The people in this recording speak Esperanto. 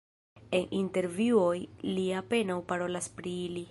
En intervjuoj li apenaŭ parolas pri ili.